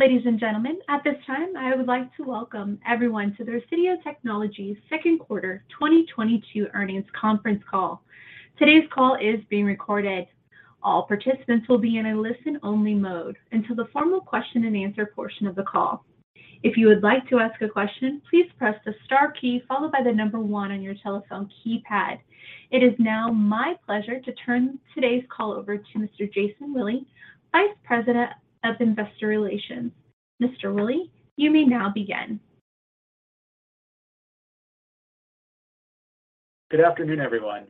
Ladies and gentlemen, at this time, I would like to welcome everyone to the Resideo Technologies second quarter 2022 earnings conference call. Today's call is being recorded. All participants will be in a listen-only mode until the formal question-and-answer portion of the call. If you would like to ask a question, please press the star key followed by the number 1 on your telephone keypad. It is now my pleasure to turn today's call over to Mr. Jason Willey, Vice President of Investor Relations. Mr. Willey, you may now begin. Good afternoon, everyone,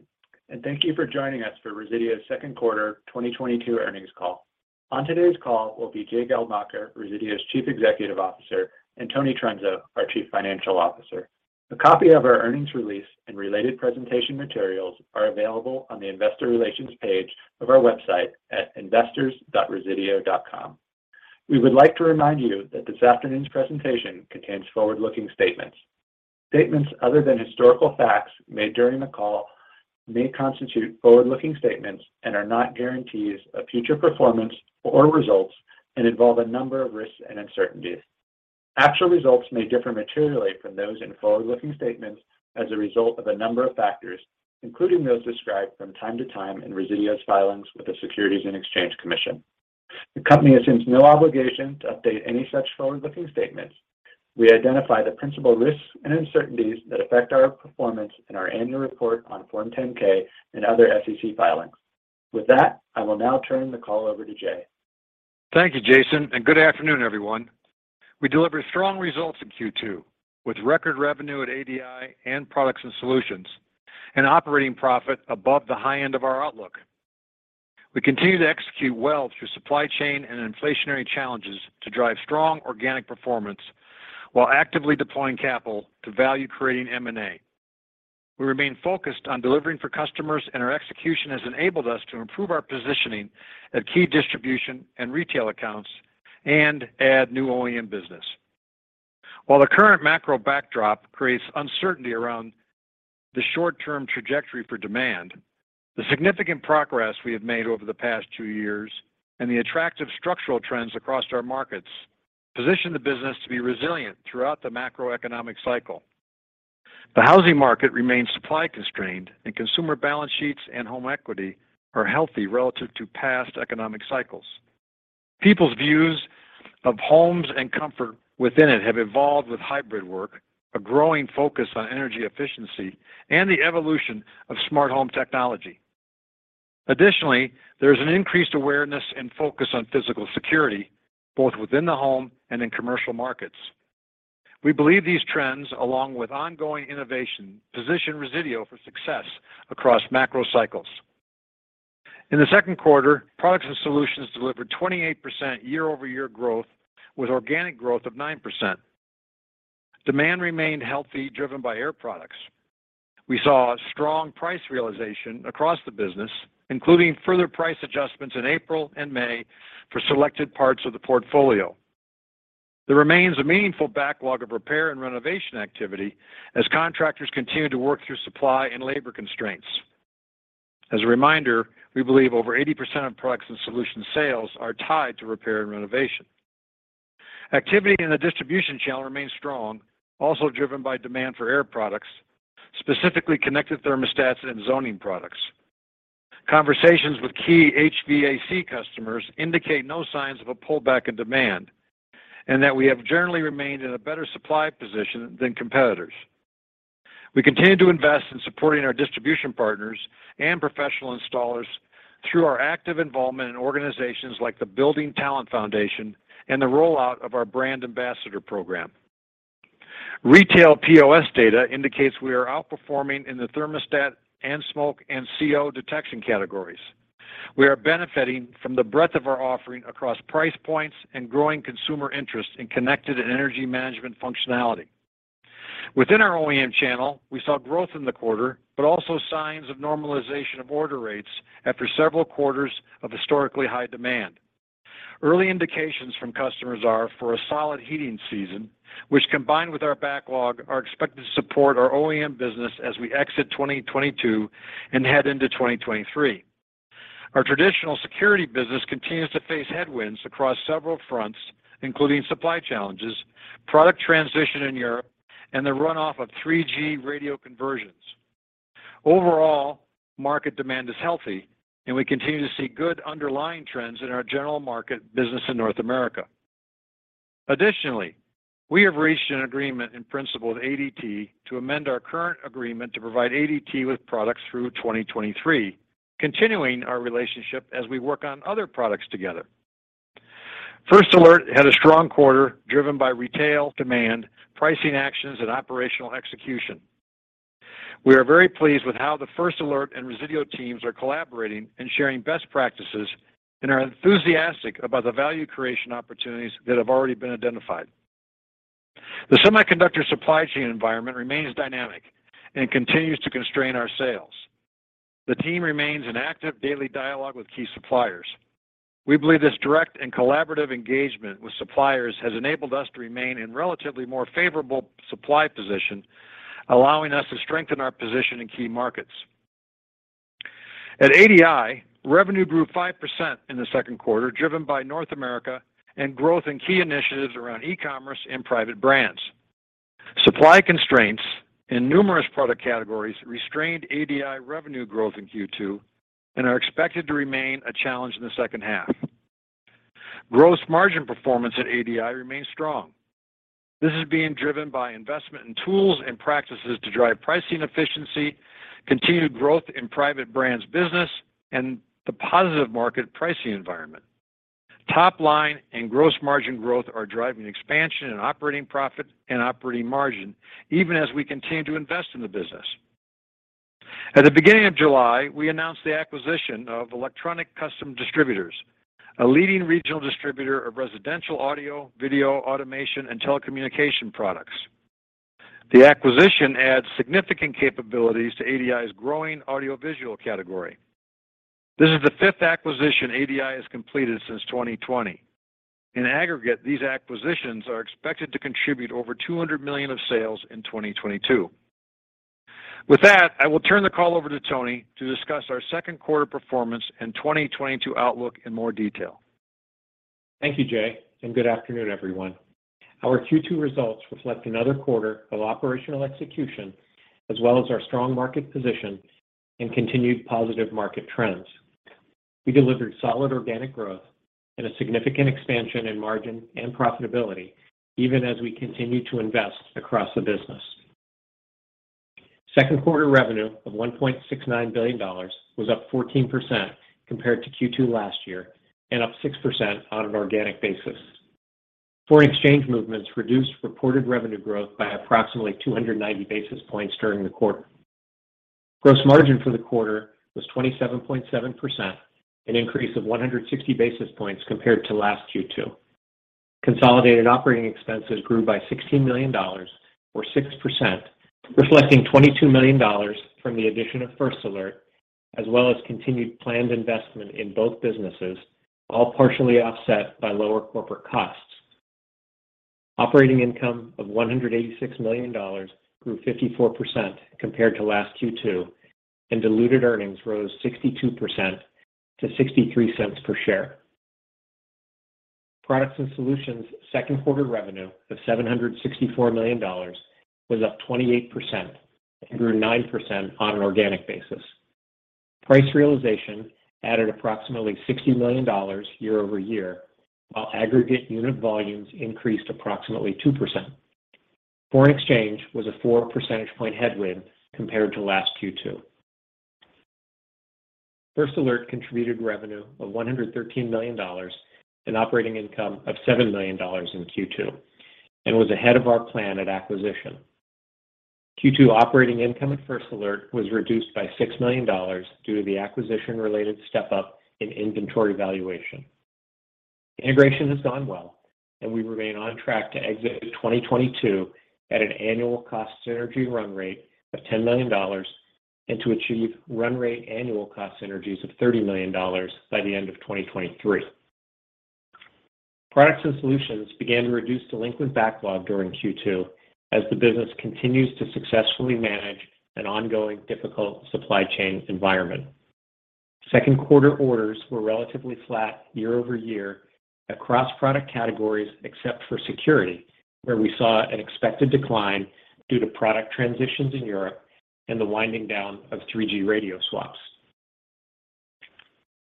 and thank you for joining us for Resideo's second quarter 2022 earnings call. On today's call will be Jay Geldmacher, Resideo's Chief Executive Officer, and Tony Trunzo, our Chief Financial Officer. A copy of our earnings release and related presentation materials are available on the investor relations page of our website at investor.resideo.com. We would like to remind you that this afternoon's presentation contains forward-looking statements. Statements other than historical facts made during the call may constitute forward-looking statements and are not guarantees of future performance or results and involve a number of risks and uncertainties. Actual results may differ materially from those in forward-looking statements as a result of a number of factors, including those described from time to time in Resideo's filings with the Securities and Exchange Commission. The company assumes no obligation to update any such forward-looking statements. We identify the principal risks and uncertainties that affect our performance in our annual report on Form 10-K and other SEC filings. With that, I will now turn the call over to Jay. Thank you, Jason, and good afternoon, everyone. We delivered strong results in Q2 with record revenue at ADI and Products & Solutions and operating profit above the high end of our outlook. We continue to execute well through supply chain and inflationary challenges to drive strong organic performance while actively deploying capital to value-creating M&A. We remain focused on delivering for customers, and our execution has enabled us to improve our positioning at key distribution and retail accounts and add new OEM business. While the current macro backdrop creates uncertainty around the short-term trajectory for demand, the significant progress we have made over the past two years and the attractive structural trends across our markets position the business to be resilient throughout the macroeconomic cycle. The housing market remains supply-constrained, and consumer balance sheets and home equity are healthy relative to past economic cycles. People's views of homes and comfort within it have evolved with hybrid work, a growing focus on energy efficiency, and the evolution of smart home technology. Additionally, there's an increased awareness and focus on physical security both within the home and in commercial markets. We believe these trends, along with ongoing innovation, position Resideo for success across macro cycles. In the second quarter, Products & Solutions delivered 28% year-over-year growth with organic growth of 9%. Demand remained healthy, driven by air products. We saw strong price realization across the business, including further price adjustments in April and May for selected parts of the portfolio. There remains a meaningful backlog of repair and renovation activity as contractors continue to work through supply and labor constraints. As a reminder, we believe over 80% of Products & Solutions sales are tied to repair and renovation. Activity in the distribution channel remains strong, also driven by demand for air products, specifically connected thermostats and zoning products. Conversations with key HVAC customers indicate no signs of a pullback in demand and that we have generally remained in a better supply position than competitors. We continue to invest in supporting our distribution partners and professional installers through our active involvement in organizations like the Building Talent Foundation and the rollout of our brand ambassador program. Retail POS data indicates we are outperforming in the thermostat and smoke and CO detection categories. We are benefiting from the breadth of our offering across price points and growing consumer interest in connected and energy management functionality. Within our OEM channel, we saw growth in the quarter, but also signs of normalization of order rates after several quarters of historically high demand. Early indications from customers are for a solid heating season, which combined with our backlog, are expected to support our OEM business as we exit 2022 and head into 2023. Our traditional security business continues to face headwinds across several fronts, including supply challenges, product transition in Europe, and the runoff of 3G radio conversions. Overall, market demand is healthy, and we continue to see good underlying trends in our general market business in North America. Additionally, we have reached an agreement in principle with ADT to amend our current agreement to provide ADT with products through 2023, continuing our relationship as we work on other products together. First Alert had a strong quarter driven by retail demand, pricing actions, and operational execution. We are very pleased with how the First Alert and Resideo teams are collaborating and sharing best practices and are enthusiastic about the value creation opportunities that have already been identified. The semiconductor supply chain environment remains dynamic and continues to constrain our sales. The team remains in active daily dialogue with key suppliers. We believe this direct and collaborative engagement with suppliers has enabled us to remain in relatively more favorable supply position, allowing us to strengthen our position in key markets. At ADI, revenue grew 5% in the second quarter, driven by North America and growth in key initiatives around e-commerce and private brands. Supply constraints in numerous product categories restrained ADI revenue growth in Q2 and are expected to remain a challenge in the second half. Gross margin performance at ADI remains strong. This is being driven by investment in tools and practices to drive pricing efficiency, continued growth in private brands business, and the positive market pricing environment. Top line and gross margin growth are driving expansion in operating profit and operating margin even as we continue to invest in the business. At the beginning of July, we announced the acquisition of Electronic Custom Distributors, a leading regional distributor of residential audio, video, automation, and telecommunication products. The acquisition adds significant capabilities to ADI's growing audiovisual category. This is the fifth acquisition ADI has completed since 2020. In aggregate, these acquisitions are expected to contribute over $200 million of sales in 2022. With that, I will turn the call over to Tony to discuss our second quarter performance and 2022 outlook in more detail. Thank you, Jay, and good afternoon, everyone. Our Q2 results reflect another quarter of operational execution as well as our strong market position and continued positive market trends. We delivered solid organic growth and a significant expansion in margin and profitability even as we continue to invest across the business. Second quarter revenue of $1.69 billion was up 14% compared to Q2 last year and up 6% on an organic basis. Foreign exchange movements reduced reported revenue growth by approximately 290 basis points during the quarter. Gross margin for the quarter was 27.7%, an increase of 160 basis points compared to last Q2. Consolidated operating expenses grew by $16 million or 6%, reflecting $22 million from the addition of First Alert, as well as continued planned investment in both businesses, all partially offset by lower corporate costs. Operating income of $186 million grew 54% compared to last Q2, and diluted earnings rose 62% to $0.63 per share. Products and Solutions second quarter revenue of $764 million was up 28% and grew 9% on an organic basis. Price realization added approximately $60 million year-over-year, while aggregate unit volumes increased approximately 2%. Foreign exchange was a four percentage point headwind compared to last Q2. First Alert contributed revenue of $113 million and operating income of $7 million in Q2 and was ahead of our plan at acquisition. Q2 operating income at First Alert was reduced by $6 million due to the acquisition-related step-up in inventory valuation. Integration has gone well, and we remain on track to exit 2022 at an annual cost synergy run rate of $10 million and to achieve run rate annual cost synergies of $30 million by the end of 2023. Products & Solutions began to reduce delinquent backlog during Q2 as the business continues to successfully manage an ongoing difficult supply chain environment. Second quarter orders were relatively flat year-over-year across product categories except for security, where we saw an expected decline due to product transitions in Europe and the winding down of 3G radio swaps.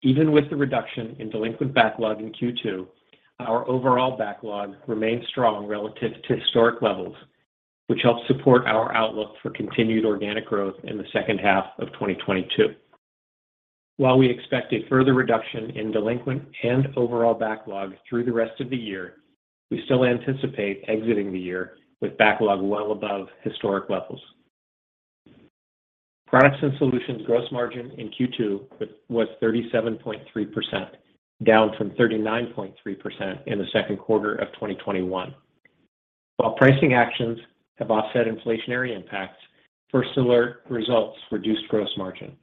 Even with the reduction in delinquent backlog in Q2, our overall backlog remains strong relative to historic levels, which helps support our outlook for continued organic growth in the second half of 2022. While we expect a further reduction in delinquent and overall backlog through the rest of the year, we still anticipate exiting the year with backlog well above historic levels. Products & Solutions gross margin in Q2 was 37.3%, down from 39.3% in the second quarter of 2021. While pricing actions have offset inflationary impacts, First Alert results reduced gross margin.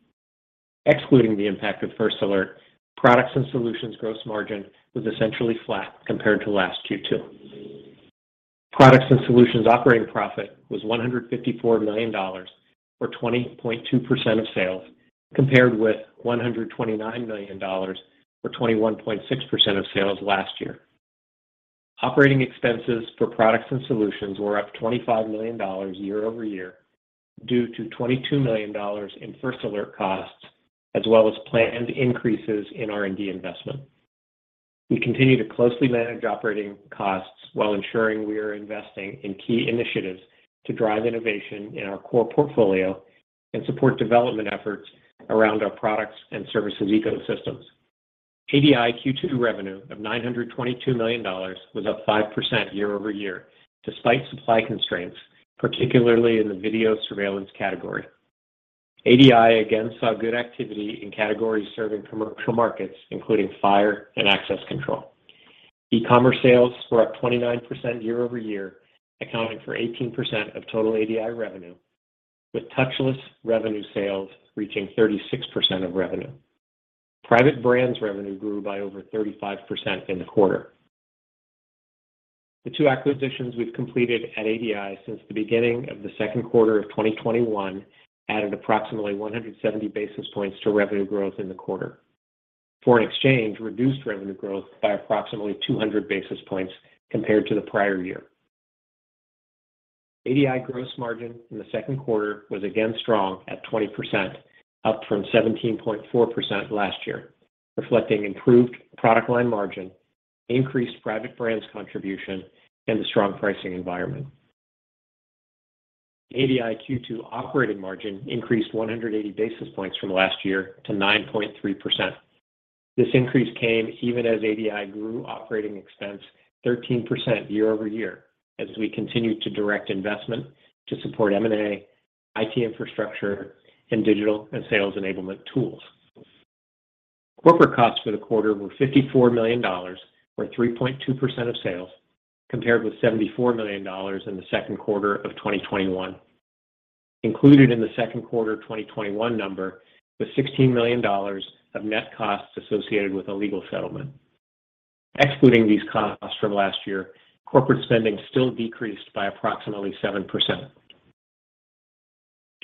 Excluding the impact of First Alert, Products & Solutions gross margin was essentially flat compared to last Q2. Products and Solutions operating profit was $154 million, or 20.2% of sales, compared with $129 million, or 21.6% of sales last year. Operating expenses for Products and Solutions were up $25 million year-over-year due to $22 million in First Alert costs as well as planned increases in R&D investment. We continue to closely manage operating costs while ensuring we are investing in key initiatives to drive innovation in our core portfolio and support development efforts around our products and services ecosystems. ADI Q2 revenue of $922 million was up 5% year-over-year despite supply constraints, particularly in the video surveillance category. ADI again saw good activity in categories serving commercial markets, including fire and access control. E-commerce sales were up 29% year-over-year, accounting for 18% of total ADI revenue, with touchless revenue sales reaching 36% of revenue. Private brands revenue grew by over 35% in the quarter. The two acquisitions we've completed at ADI since the beginning of the second quarter of 2021 added approximately 170 basis points to revenue growth in the quarter. Foreign exchange reduced revenue growth by approximately 200 basis points compared to the prior year. ADI gross margin in the second quarter was again strong at 20%, up from 17.4% last year, reflecting improved product line margin, increased private brands contribution, and a strong pricing environment. ADI Q2 operating margin increased 180 basis points from last year to 9.3%. This increase came even as ADI grew operating expense 13% year-over-year as we continued to direct investment to support M&A, IT infrastructure, and digital and sales enablement tools. Corporate costs for the quarter were $54 million, or 3.2% of sales, compared with $74 million in the second quarter of 2021. Included in the second quarter 2021 number was $16 million of net costs associated with a legal settlement. Excluding these costs from last year, corporate spending still decreased by approximately 7%.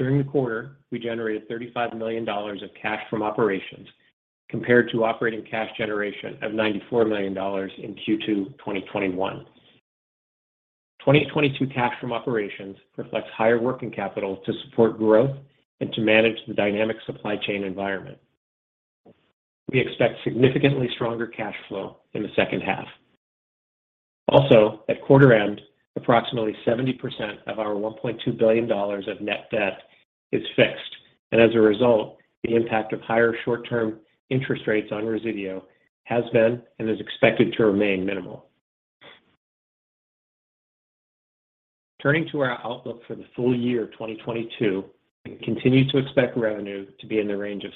During the quarter, we generated $35 million of cash from operations compared to operating cash generation of $94 million in Q2 2021. 2022 cash from operations reflects higher working capital to support growth and to manage the dynamic supply chain environment. We expect significantly stronger cash flow in the second half. Also, at quarter end, approximately 70% of our $1.2 billion of net debt is fixed. As a result, the impact of higher short-term interest rates on Resideo has been and is expected to remain minimal. Turning to our outlook for the full year of 2022, we continue to expect revenue to be in the range of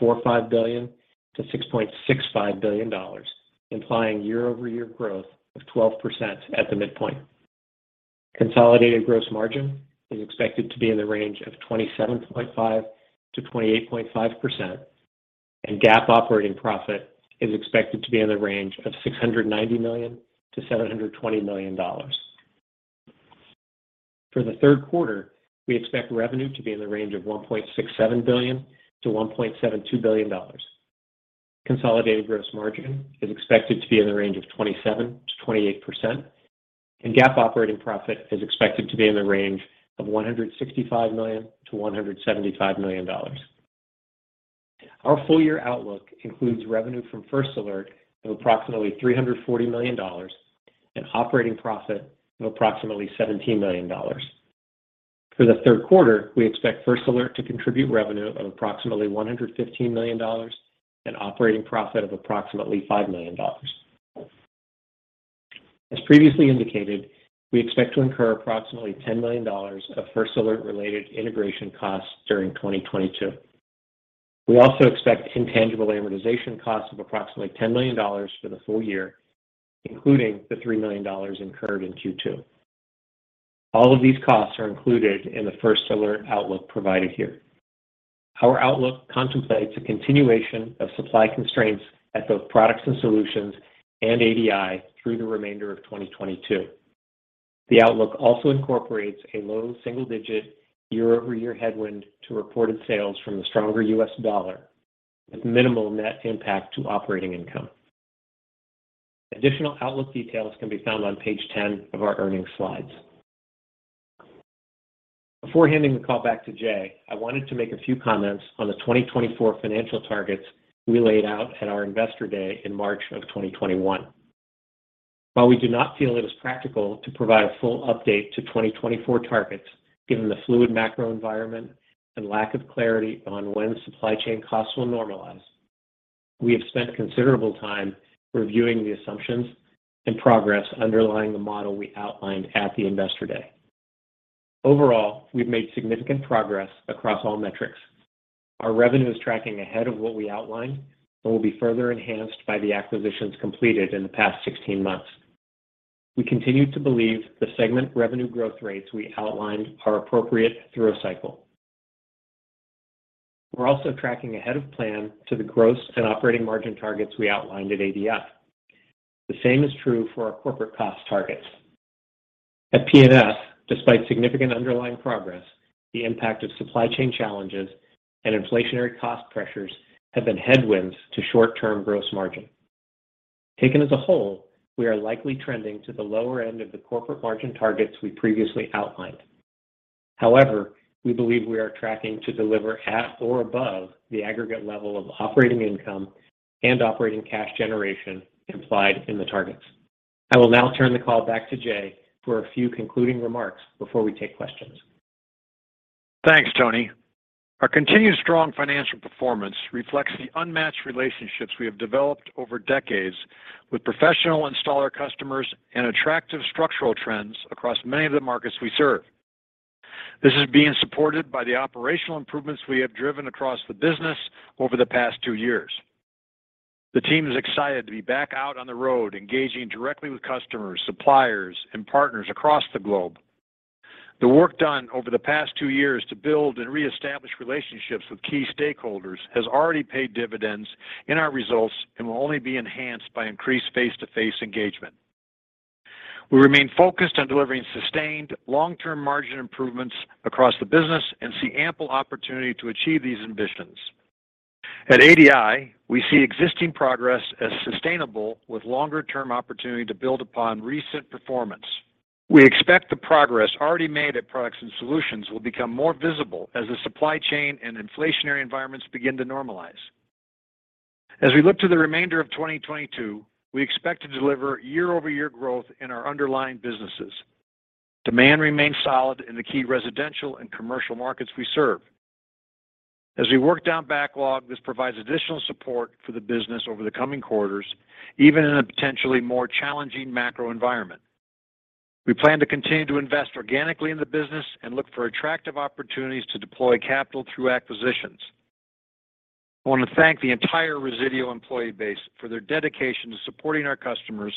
$6.45 billion-$6.65 billion, implying year-over-year growth of 12% at the midpoint. Consolidated gross margin is expected to be in the range of 27.5%-28.5%, and GAAP operating profit is expected to be in the range of $690 million-$720 million. For the third quarter, we expect revenue to be in the range of $1.67 billion-$1.72 billion. Consolidated gross margin is expected to be in the range of 27%-28%, and GAAP operating profit is expected to be in the range of $165 million-$175 million. Our full year outlook includes revenue from First Alert of approximately $340 million and operating profit of approximately $17 million. For the third quarter, we expect First Alert to contribute revenue of approximately $115 million and operating profit of approximately $5 million. As previously indicated, we expect to incur approximately $10 million of First Alert-related integration costs during 2022. We also expect intangible amortization costs of approximately $10 million for the full year, including the $3 million incurred in Q2. All of these costs are included in the First Alert outlook provided here. Our outlook contemplates a continuation of supply constraints at both Products & Solutions and ADI through the remainder of 2022. The outlook also incorporates a low single-digit year-over-year headwind to reported sales from the stronger U.S. Dollar with minimal net impact to operating income. Additional outlook details can be found on page 10 of our earnings slides. Before handing the call back to Jay, I wanted to make a few comments on the 2024 financial targets we laid out at our Investor Day in March of 2021. While we do not feel it is practical to provide a full update to 2024 targets given the fluid macro environment and lack of clarity on when supply chain costs will normalize, we have spent considerable time reviewing the assumptions and progress underlying the model we outlined at the Investor Day. Overall, we've made significant progress across all metrics. Our revenue is tracking ahead of what we outlined and will be further enhanced by the acquisitions completed in the past 16 months. We continue to believe the segment revenue growth rates we outlined are appropriate through a cycle. We're also tracking ahead of plan to the gross and operating margin targets we outlined at ADI. The same is true for our corporate cost targets. At P&S, despite significant underlying progress, the impact of supply chain challenges and inflationary cost pressures have been headwinds to short-term gross margin. Taken as a whole, we are likely trending to the lower end of the corporate margin targets we previously outlined. However, we believe we are tracking to deliver at or above the aggregate level of operating income and operating cash generation implied in the targets. I will now turn the call back to Jay for a few concluding remarks before we take questions. Thanks, Tony. Our continued strong financial performance reflects the unmatched relationships we have developed over decades with professional installer customers and attractive structural trends across many of the markets we serve. This is being supported by the operational improvements we have driven across the business over the past two years. The team is excited to be back out on the road, engaging directly with customers, suppliers, and partners across the globe. The work done over the past two years to build and reestablish relationships with key stakeholders has already paid dividends in our results and will only be enhanced by increased face-to-face engagement. We remain focused on delivering sustained long-term margin improvements across the business and see ample opportunity to achieve these ambitions. At ADI, we see existing progress as sustainable with longer term opportunity to build upon recent performance. We expect the progress already made at Products & Solutions will become more visible as the supply chain and inflationary environments begin to normalize. As we look to the remainder of 2022, we expect to deliver year-over-year growth in our underlying businesses. Demand remains solid in the key residential and commercial markets we serve. As we work down backlog, this provides additional support for the business over the coming quarters, even in a potentially more challenging macro environment. We plan to continue to invest organically in the business and look for attractive opportunities to deploy capital through acquisitions. I want to thank the entire Resideo employee base for their dedication to supporting our customers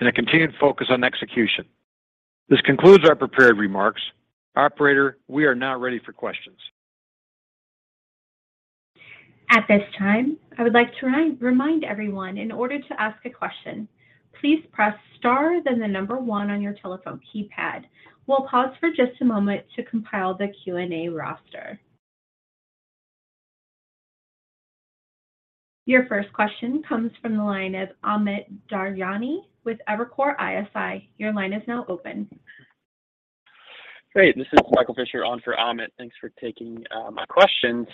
and a continued focus on execution. This concludes our prepared remarks. Operator, we are now ready for questions. At this time, I would like to remind everyone in order to ask a question, please press star then the number one on your telephone keypad. We'll pause for just a moment to compile the Q&A roster. Your first question comes from the line of Amit Daryanani with Evercore ISI. Your line is now open. Great. This is Michael Fisher on for Amit. Thanks for taking my questions.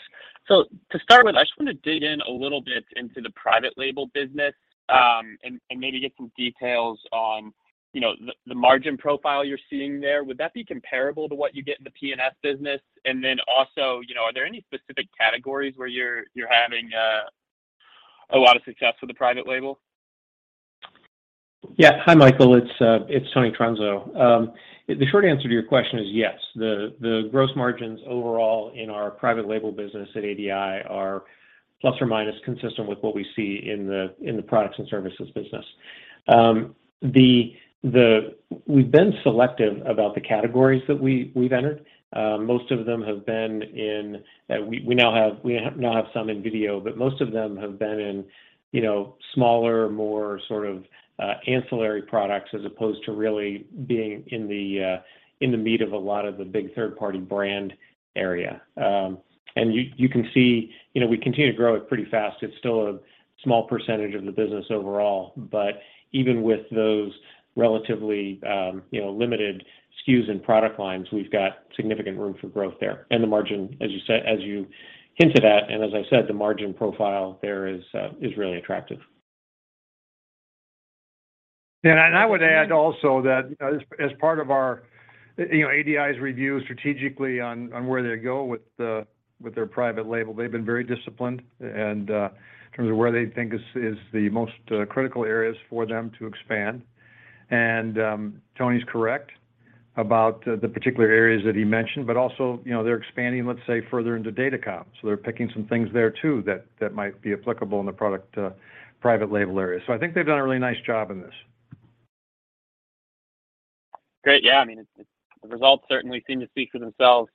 To start with, I just wanna dig in a little bit into the private label business, and maybe get some details on, you know, the margin profile you're seeing there. Would that be comparable to what you get in the P&S business? And then also, you know, are there any specific categories where you're having a lot of success with the private label? Yeah. Hi, Michael. It's Tony Trunzo. The short answer to your question is yes. The gross margins overall in our private label business at ADI are plus or minus consistent with what we see in the Products & Solutions business. We've been selective about the categories that we've entered. Most of them have been in. We now have some in video, but most of them have been in, you know, smaller, more sort of ancillary products as opposed to really being in the meat of a lot of the big third party brand area. You can see, you know, we continue to grow it pretty fast. It's still a small percentage of the business overall, but even with those relatively, you know, limited SKUs and product lines, we've got significant room for growth there. The margin, as you hinted at, and as I said, the margin profile there is really attractive. I would add also that as part of our, you know, ADI's review strategically on where they go with their private label, they've been very disciplined and in terms of where they think is the most critical areas for them to expand. Tony's correct about the particular areas that he mentioned, but also, you know, they're expanding, let's say, further into data comm. They're picking some things there too that might be applicable in the product private label area. I think they've done a really nice job in this. Great. Yeah. I mean, it's the results certainly seem to speak for themselves.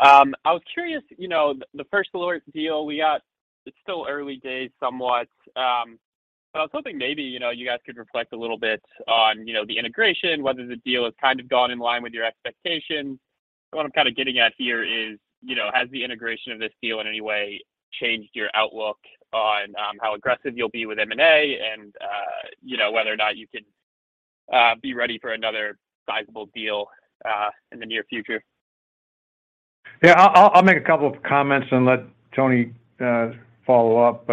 I was curious, you know, the First Alert deal we got, it's still early days somewhat, so I was hoping maybe, you know, you guys could reflect a little bit on, you know, the integration, whether the deal has kind of gone in line with your expectations. What I'm kinda getting at here is, you know, has the integration of this deal in any way changed your outlook on, how aggressive you'll be with M&A and, you know, whether or not you can, be ready for another sizable deal, in the near future? I'll make a couple of comments and let Tony follow up.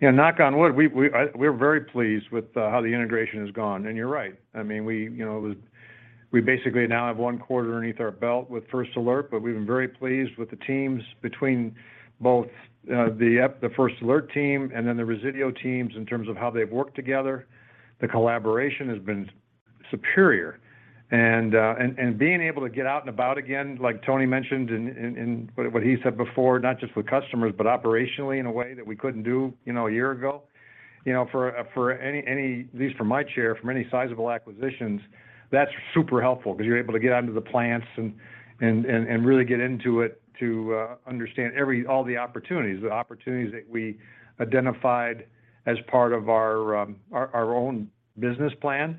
You know, knock on wood, we're very pleased with how the integration has gone. You're right. I mean, you know, we basically now have one quarter underneath our belt with First Alert, but we've been very pleased with the teams between both the First Alert team and the Resideo teams in terms of how they've worked together. The collaboration has been superior. Being able to get out and about again, like Tony mentioned in what he said before, not just with customers, but operationally in a way that we couldn't do, you know, a year ago. At least from my chair, from any sizable acquisitions, that's super helpful because you're able to get out into the plants and really get into it to understand all the opportunities. The opportunities that we identified as part of our own business plan,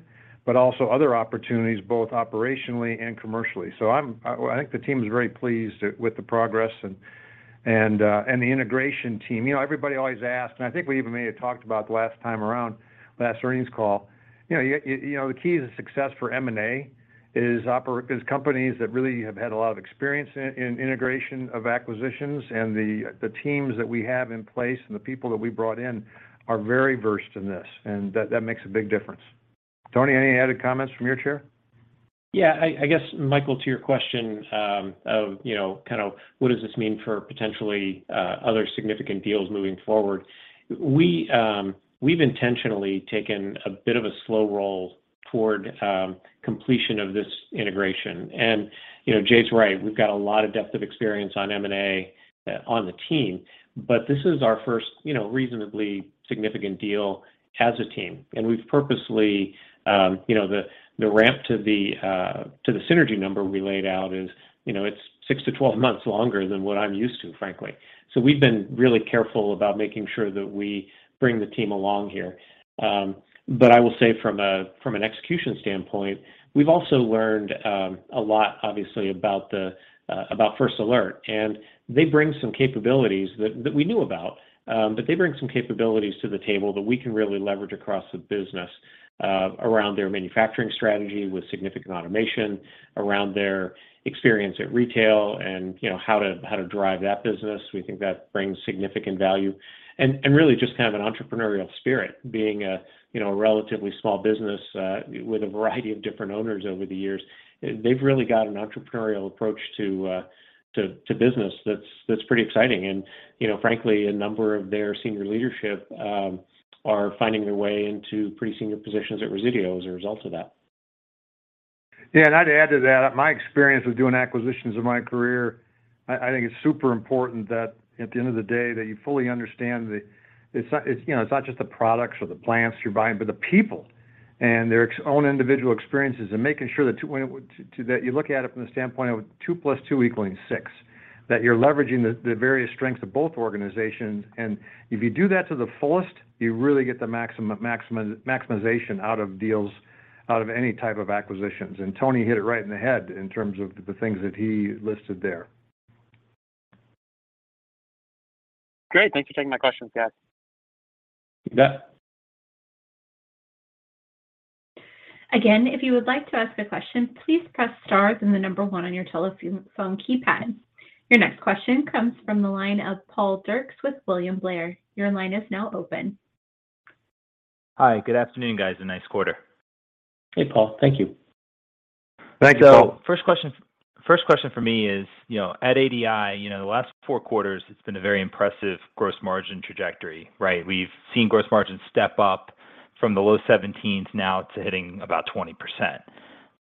but also other opportunities both operationally and commercially. I think the team is very pleased with the progress and the integration team. You know, everybody always asks, and I think we even may have talked about the last time around, last earnings call. You know, the key to success for M&A is companies that really have had a lot of experience in integration of acquisitions. The teams that we have in place and the people that we brought in are very versed in this, and that makes a big difference. Tony, any added comments from your chair? Yeah. I guess, Michael, to your question of, you know, kind of what does this mean for potentially, other significant deals moving forward? We've intentionally taken a bit of a slow roll toward completion of this integration. You know, Jay's right, we've got a lot of depth of experience on M&A on the team. This is our first, you know, reasonably significant deal as a team. We've purposely, you know, the ramp to the synergy number we laid out is, you know, it's six months-12 months longer than what I'm used to, frankly. We've been really careful about making sure that we bring the team along here. I will say from an execution standpoint, we've also learned a lot, obviously, about First Alert, and they bring some capabilities that we knew about. They bring some capabilities to the table that we can really leverage across the business, around their manufacturing strategy with significant automation, around their experience at retail and you know how to drive that business. We think that brings significant value. Really just have an entrepreneurial spirit, being a you know a relatively small business with a variety of different owners over the years. They've really got an entrepreneurial approach to business that's pretty exciting. You know, frankly, a number of their senior leadership are finding their way into pretty senior positions at Resideo as a result of that. Yeah. I'd add to that, my experience with doing acquisitions in my career, I think it's super important that at the end of the day, that you fully understand that it's not, you know, it's not just the products or the plants you're buying, but the people and their own individual experiences and making sure that that you look at it from the standpoint of two + two equaling six, that you're leveraging the various strengths of both organizations. If you do that to the fullest, you really get the maximization out of deals, out of any type of acquisitions. Tony hit it right on the head in terms of the things that he listed there. Great. Thanks for taking my questions, guys. Yeah. Again, if you would like to ask a question, please press star then the number one on your telephone keypad. Your next question comes from the line of Paul Dircks with William Blair. Your line is now open. Hi, good afternoon, guys. A nice quarter. Hey, Paul. Thank you. Thank you, Paul. First question for me is, you know, at ADI, you know, the last four quarters, it's been a very impressive gross margin trajectory, right? We've seen gross margin step up from the low 17s now to hitting about 20%.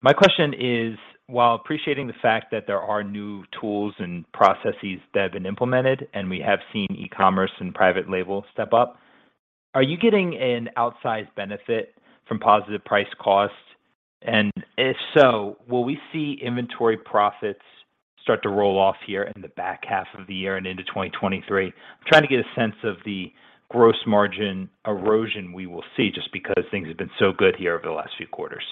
My question is, while appreciating the fact that there are new tools and processes that have been implemented and we have seen e-commerce and private label step up, are you getting an outsized benefit from positive price cost? And if so, will we see inventory profits start to roll off here in the back half of the year and into 2023? I'm trying to get a sense of the gross margin erosion we will see just because things have been so good here over the last few quarters.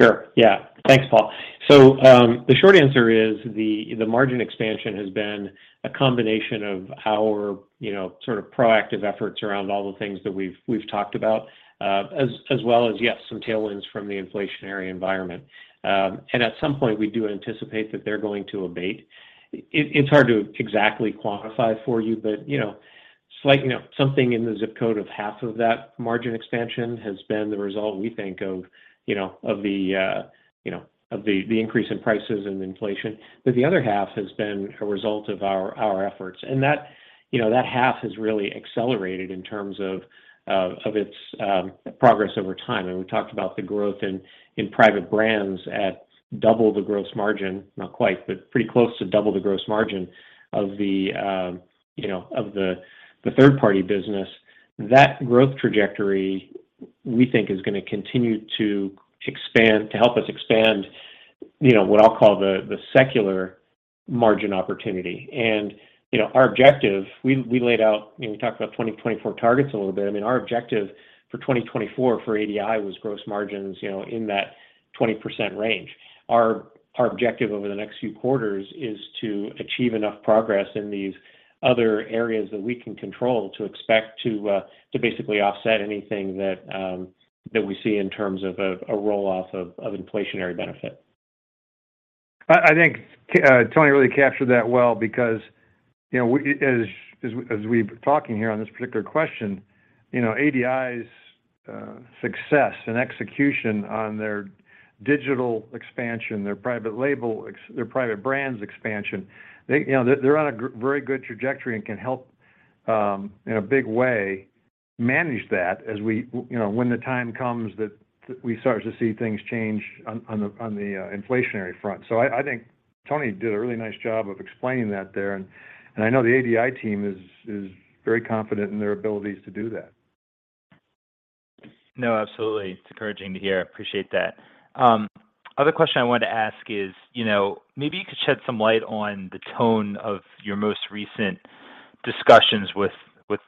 Sure. Yeah. Thanks, Paul. The short answer is the margin expansion has been a combination of our, you know, sort of proactive efforts around all the things that we've talked about, as well as, yes, some tailwinds from the inflationary environment. At some point, we do anticipate that they're going to abate. It's hard to exactly quantify for you, but, you know, slight, you know, something in the zip code of half of that margin expansion has been the result we think of, you know, of the increase in prices and inflation. The other half has been a result of our efforts. That, you know, that half has really accelerated in terms of its progress over time. We talked about the growth in private brands at double the gross margin, not quite, but pretty close to double the gross margin of the third-party business. That growth trajectory, we think is gonna continue to expand to help us expand what I'll call the secular margin opportunity. Our objective, we laid out, we talked about 2024 targets a little bit. I mean, our objective for 2024 for ADI was gross margins in that 20% range. Our objective over the next few quarters is to achieve enough progress in these other areas that we can control to expect to basically offset anything that we see in terms of a roll-off of inflationary benefit. I think Tony really captured that well because, you know, as we're talking here on this particular question, you know, ADI's success and execution on their digital expansion, their private brands expansion, they, you know, they're on a very good trajectory and can help in a big way manage that as we, you know, when the time comes that we start to see things change on the inflationary front. I think Tony did a really nice job of explaining that there. I know the ADI team is very confident in their abilities to do that. No, absolutely. It's encouraging to hear. I appreciate that. Other question I wanted to ask is, you know, maybe you could shed some light on the tone of your most recent discussions with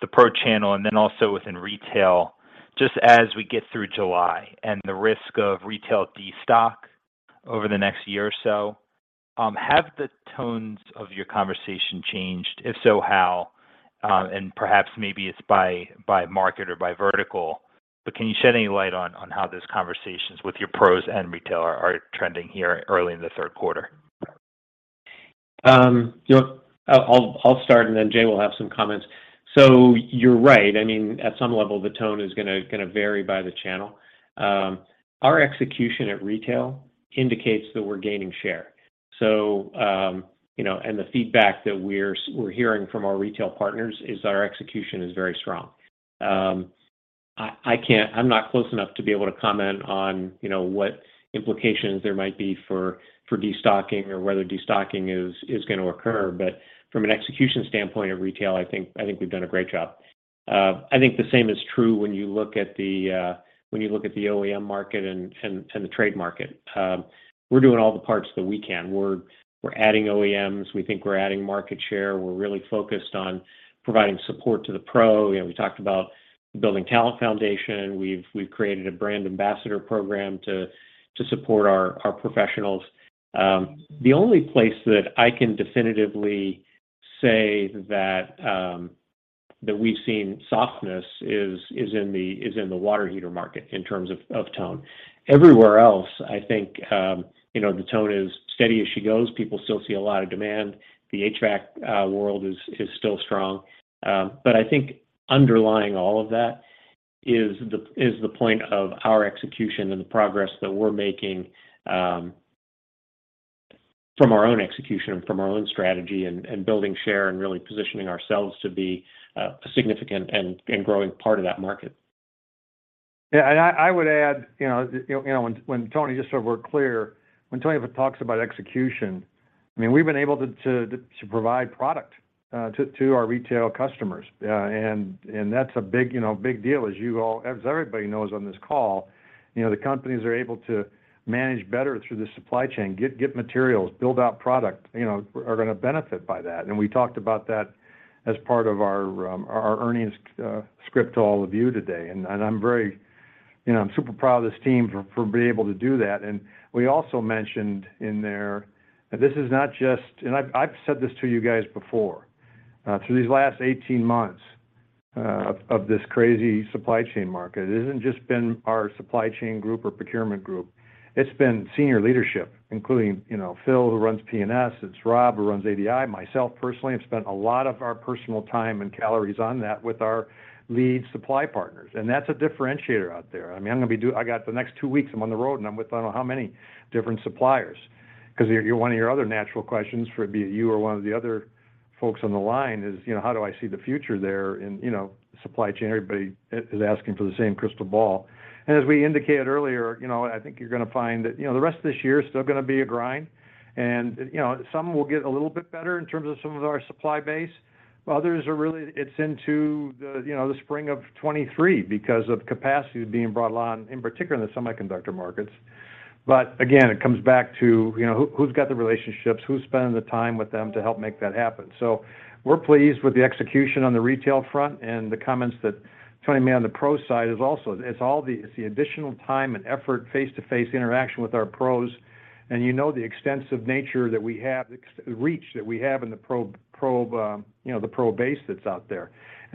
the pro channel and then also within retail, just as we get through July and the risk of retail destock over the next year or so. Have the tones of your conversation changed? If so, how? And perhaps maybe it's by market or by vertical. Can you shed any light on how those conversations with your pros and retail are trending here early in the third quarter? You know what? I'll start and then Jay will have some comments. You're right. I mean, at some level, the tone is gonna vary by the channel. Our execution at retail indicates that we're gaining share. You know, the feedback that we're hearing from our retail partners is that our execution is very strong. I can't. I'm not close enough to be able to comment on, you know, what implications there might be for destocking or whether destocking is gonna occur. But from an execution standpoint of retail, I think we've done a great job. I think the same is true when you look at the OEM market and the trade market. We're doing all the parts that we can. We're adding OEMs. We think we're adding market share. We're really focused on providing support to the pro. You know, we talked about Building Talent Foundation. We've created a brand ambassador program to support our professionals. The only place that I can definitively say that we've seen softness is in the water heater market in terms of tone. Everywhere else, I think, you know, the tone is steady as she goes. People still see a lot of demand. The HVAC world is still strong. I think underlying all of that is the point of our execution and the progress that we're making from our own execution and from our own strategy and building share and really positioning ourselves to be a significant and growing part of that market. Yeah. I would add, you know, when Tony—Just so we're clear, when Tony talks about execution, I mean, we've been able to provide product to our retail customers. And that's a big, you know, big deal as you all, as everybody knows on this call. You know, the companies are able to manage better through the supply chain, get materials, build out product, you know, are gonna benefit by that. We talked about that as part of our earnings script to all of you today. I'm very, you know, I'm super proud of this team for being able to do that. We also mentioned in there that this is not just. I've said this to you guys before, through these last 18 months of this crazy supply chain market, it isn't just been our supply chain group or procurement group. It's been senior leadership, including, you know, Phil, who runs P&S. It's Rob, who runs ADI. Myself personally, I've spent a lot of our personal time and calories on that with our lead supply partners, and that's a differentiator out there. I mean, I got the next two weeks I'm on the road, and I'm with I don't know how many different suppliers. 'Cause one of your other natural questions, whether it be you or one of the other folks on the line, is, you know, how do I see the future there in, you know, supply chain. Everybody is asking for the same crystal ball. As we indicated earlier, you know, I think you're gonna find that, you know, the rest of this year is still gonna be a grind. You know, some will get a little bit better in terms of some of our supply base. Others are really. It's into the, you know, the spring of 2023 because of capacity being brought along, in particular in the semiconductor markets. Again, it comes back to, you know, who's got the relationships, who's spending the time with them to help make that happen. We're pleased with the execution on the retail front and the comments that Tony made on the pro side is also. It's the additional time and effort, face-to-face interaction with our pros. You know the extensive nature that we have, extensive reach that we have in the pro base that's out there.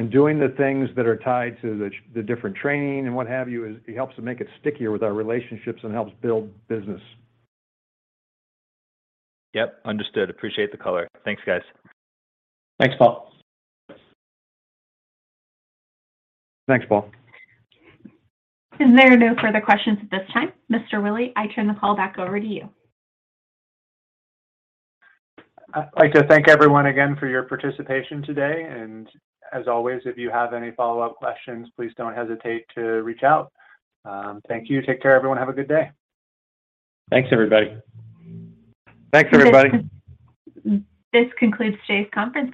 Doing the things that are tied to the different training and what have you is it helps to make it stickier with our relationships and helps build business. Yep. Understood. Appreciate the color. Thanks, guys. Thanks, Paul. Thanks, Paul. There are no further questions at this time. Mr. Willey, I turn the call back over to you. I'd like to thank everyone again for your participation today. As always, if you have any follow-up questions, please don't hesitate to reach out. Thank you. Take care, everyone. Have a good day. Thanks, everybody. Thanks, everybody. This concludes today's conference call.